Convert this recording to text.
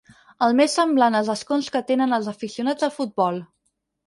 El més semblant als escons que tenen els aficionats al futbol.